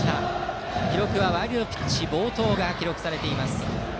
記録はワイルドピッチ暴投が記録されています。